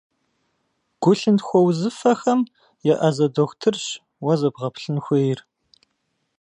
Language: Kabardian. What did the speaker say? Гу-лъынтхуэ узыфэхэм еӏэзэ дохутырщ уэ зэбгъэплъын хуейр.